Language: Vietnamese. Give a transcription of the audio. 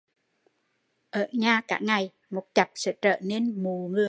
Ở nhà cả ngày, một chặp sẽ trở nên mụ người